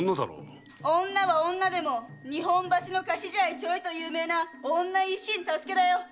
女は女でも日本橋の魚河岸じゃあちょいと有名な“女・一心太助”だよ。